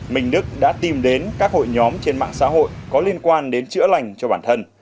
minh đức đã tìm đến các hội nhóm trên mạng xã hội có liên quan đến chữa lành cho bản thân